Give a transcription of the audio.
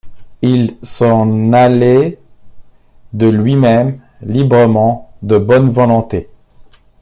Il s’en allait de lui-même, librement, de bonne volonté.